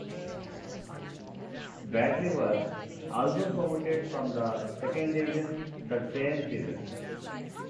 Batley were also promoted from the Second Division that same season.